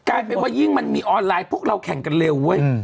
กลายเป็นว่ายิ่งมันมีออนไลน์พวกเราแข่งกันเร็วเว้ย